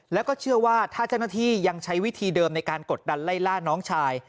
แล้วก็เชื่อว่าถ้าเจ้าหน้าที่ยังใช้วิธีเดิมในการกดดันไล่ล่าน้องชาย